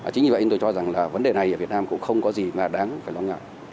chính vì vậy tôi cho rằng là vấn đề này ở việt nam cũng không có gì mà đáng phải lo ngại